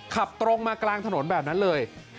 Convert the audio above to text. ขับตรงมากลางถนนแบบนั้นเลย